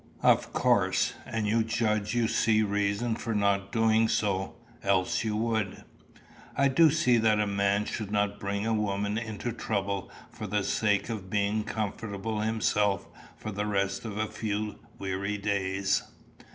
"Of course. And you judge you see reason for not doing so, else you would?" "I do see that a man should not bring a woman into trouble for the sake of being comfortable himself for the rest of a few weary days."